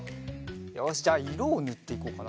よしじゃあいろをぬっていこうかな。